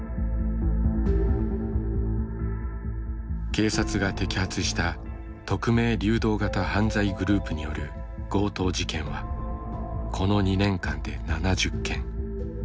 警察が摘発した匿名・流動型犯罪グループによる強盗事件はこの２年間で７０件。